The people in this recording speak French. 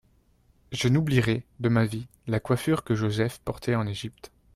Je n'oublierai de ma vie la coiffure que Joseph portait en Égypte.